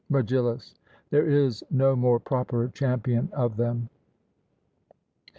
MEGILLUS: There is no more proper champion of them.